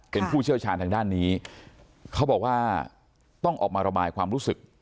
เป็นผู้เชี่ยวชาญทางด้านนี้เขาบอกว่าต้องออกมาระบายความรู้สึก